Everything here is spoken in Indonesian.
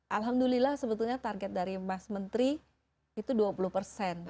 alhamdulillah sebetulnya target dari mas menteri itu dua puluh persen